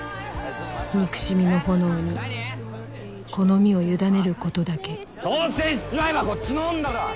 憎しみの炎にこの身を委ねることだけ当選しちまえばこっちのもんだろ！